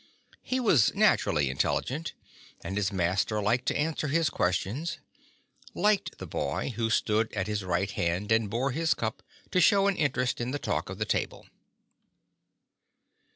He was naturally intelligent, and his master liked to answer his ques tions — liked the boy, who stood at his right hand and bore his cup, to show an interest in the talk of the table.